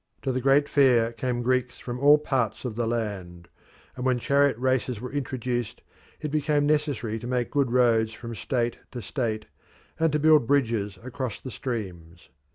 To the great fair came Greeks from all parts of the land, and when chariot races were introduced it became necessary to make good roads from state to state, and to build bridges across the streams.